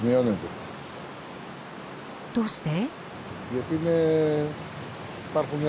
どうして？